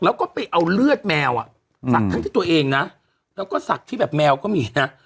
แล้วก็ไปเอาเลือดแมวอ่ะสักทั้งที่ตัวเองนะแล้วก็ศักดิ์ที่แบบแมวก็มีนะ